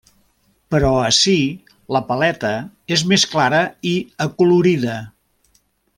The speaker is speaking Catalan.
Però ací la paleta és més clara i acolorida.